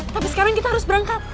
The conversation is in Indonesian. tapi sekarang kita harus berangkat